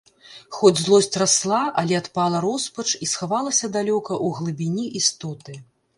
Хоць злосць расла, але адпала роспач і схавалася далёка ў глыбіні істоты.